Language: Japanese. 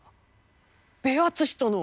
ベアツシとの！